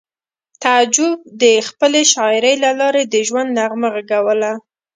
تعجب د خپلې شاعرۍ له لارې د ژوند نغمه غږوله